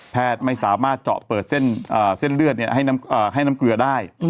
ไม่สามารถเจาะเปิดเส้นเลือดให้น้ำเกลือได้